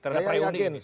terhadap reuni ini